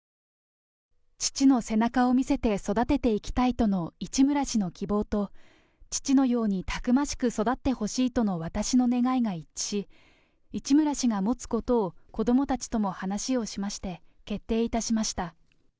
父の背中を見せて育てていきたいとの市村氏の希望と、父のようにたくましく育ってほしいとの私の願いが一致し、市村氏が持つことを子どもたちとも話をしまして、決定いたしました。